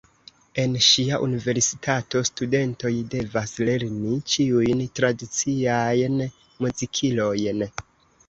En ŝia universitato studentoj devas lerni ĉiujn tradiciajn muzikilojn.